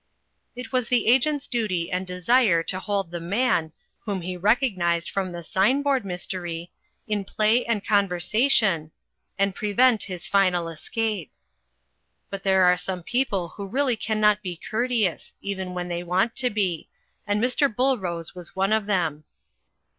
It was the Agent's duty and desire to hold the man, whom he recognised from the sign board mystery, in play and conversation, and prevent his final escape. But there are some people who really cannot be courte ous, even when they want to be, and Mr. Bullrose was one of them.